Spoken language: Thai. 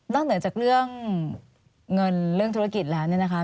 เหนือจากเรื่องเงินเรื่องธุรกิจแล้วเนี่ยนะคะ